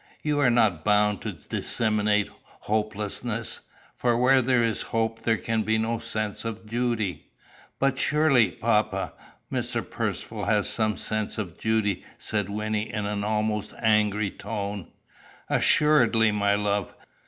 You are not bound to disseminate hopelessness; for where there is no hope there can be no sense of duty." "But surely, papa, Mr. Percivale has some sense of duty," said Wynnie in an almost angry tone. "Assuredly my love.